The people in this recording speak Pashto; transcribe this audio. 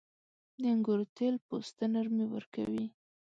• د انګورو تېل پوست ته نرمي ورکوي.